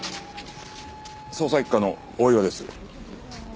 捜査一課の大岩です。